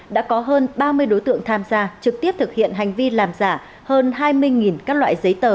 đã có hơn ba mươi đối tượng tham gia trực tiếp thực hiện hành vi làm giả hơn hai mươi các loại giấy tờ